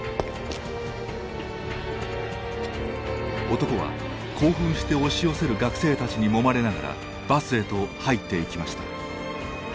男は興奮して押し寄せる学生たちにもまれながらバスへと入っていきました。